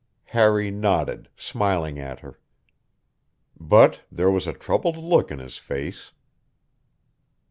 Harry nodded, smiling at her. But there was a troubled look in his face.